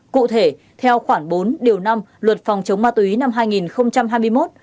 cụ thể theo khoảng bốn điều năm luật phòng chống ma túy năm hai nghìn hai mươi một